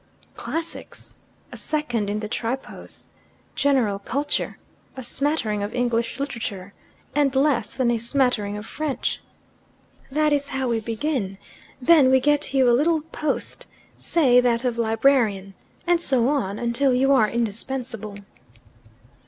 Classics! A second in the Tripos. General culture. A smattering of English Literature, and less than a smattering of French. "That is how we begin. Then we get you a little post say that of librarian. And so on, until you are indispensable."